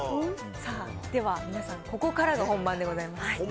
では皆さん、ここからが本番でございます。